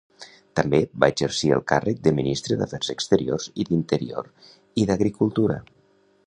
També va exercir el càrrec de Ministre d'Afers Exteriors i d'Interior i d'Agricultura.